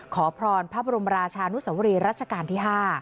ขอพรพระบรมราชานุสวรีรัชกาลที่๕